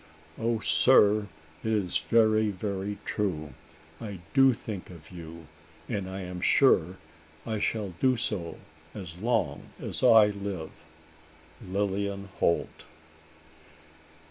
"O sir! it is very, very true! I do think of you; and I am sure I shall do so as long as I live. "Lilian Holt."